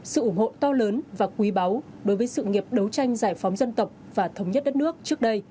sự ủng hộ to lớn và quý báu đối với sự nghiệp đấu tranh giải phóng dân tộc và thống nhất đất nước trước đây